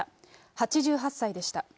８８歳でした。